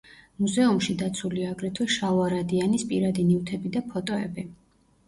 მუზეუმში დაცულია აგრეთვე შალვა რადიანის პირადი ნივთები და ფოტოები.